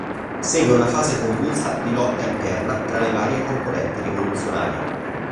Segue una fase convulsa di lotta interna tra le varie componenti rivoluzionarie.